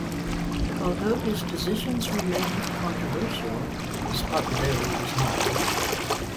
Although his positions remained controversial, his popularity was high.